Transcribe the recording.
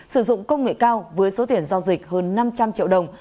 sử dụng công nghệ cao với số tiền giao dịch hơn năm trăm linh triệu đồng